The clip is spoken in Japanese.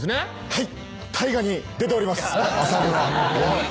はい。